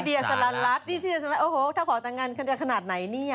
ดีเจมส์สลัดลัดนี่ดีเจมส์สลัดลัดโอ้โหถ้าขอตังการขนาดไหนเนี่ย